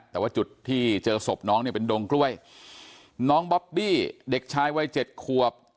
แต่ว่าจุดที่เจอศพน้องเนี่ยเป็นดงกล้วยน้องบอบบี้เด็กชายวัยเจ็ดขวบ